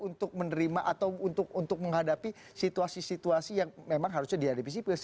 untuk menerima atau untuk menghadapi situasi situasi yang memang harusnya dihadapi sipil